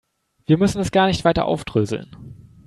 Wir müssen es gar nicht weiter aufdröseln.